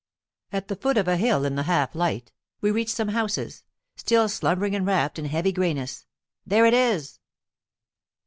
At the foot of a bill in the half light, we reach some houses, still slumbering and wrapped in heavy grayness. "There it is!"